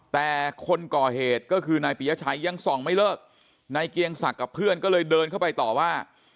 แต่คนก่อเหตุก็คือนายปียชัยยังส่องไม่เลิกนายเกียงศักดิ์กับเพื่อนก็เลยเดินเข้าไปต่อว่า